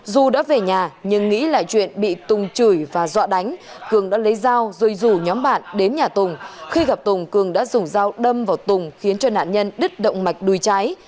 dù đã về nhà nhưng nghĩ lại chuyện bị tùng chửi và dọa đánh cường đã lấy dao rồi rủ nhóm bạn đến nhà tùng khi gặp tùng cường đã dùng dao đâm vào tùng khiến cho nạn nhân đứt động mạch đuôi trái